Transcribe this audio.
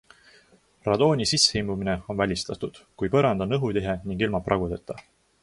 Radooni sisseimbumine on välistatud, kui põrand on õhutihe ning ilma pragudeta.